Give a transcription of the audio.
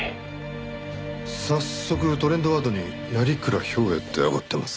早速トレンドワードに「鑓鞍兵衛」ってあがってます。